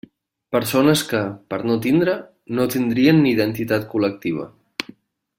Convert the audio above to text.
Persones que, per no tindre no tindrien ni identitat col·lectiva.